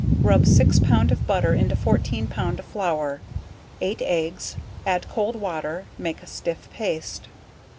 Rub six pound of butter into fourteen pound of flour, eight eggs, add cold water, make a stiff paste.